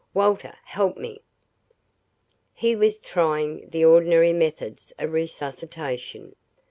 "Walter help me." He was trying the ordinary methods of resuscitation.